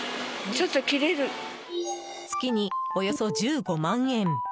月におよそ１５万円。